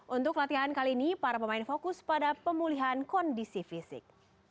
untuk latihan kali ini para pemain fokus pada pemulihan kondisi fisik